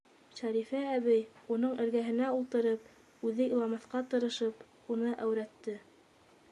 Шәрифә әбей, уның эргәһенә ултырып, үҙе иламаҫҡа тырышып, уны әүрәтте: